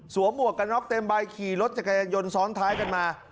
หมวกกันน็อกเต็มใบขี่รถจักรยานยนต์ซ้อนท้ายกันมา